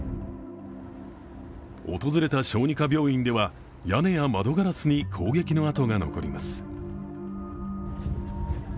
訪れた小児科病院では屋根や窓ガラスに攻撃の痕が残ります。